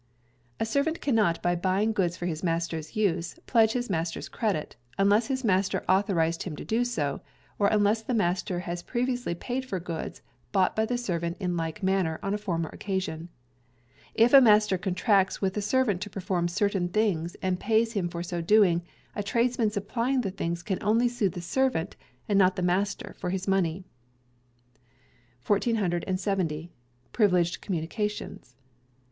A servant cannot by buying goods for his employer's use pledge his master's credit, unless his master authorized him to do so, or unless the master has previously paid for goods bought by the servant in like manner on a former occasion. If a master contracts with a servant to provide certain things and pays him for so doing, a tradesman supplying the things can only sue the servant and not the master for his money. 1470. Privileged Communications.